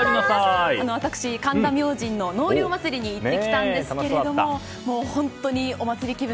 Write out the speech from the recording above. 私、神田明神の納涼祭りに行ってきたんですが本当にお祭り気分